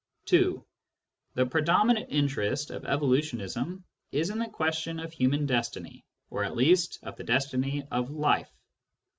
(2) The predominant interest of evolutionism is in the question of human destiny, or at least of the destiny of Life.